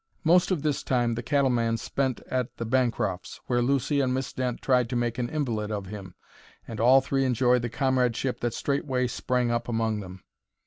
Most of this time the cattleman spent at the Bancrofts', where Lucy and Miss Dent tried to make an invalid of him, and all three enjoyed the comradeship that straightway sprang up among them.